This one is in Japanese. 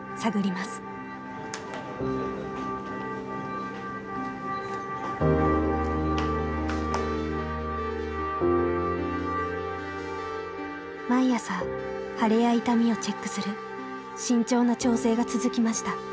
毎朝腫れや痛みをチェックする慎重な調整が続きました。